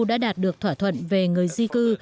đã đạt được thỏa thuận về người di cư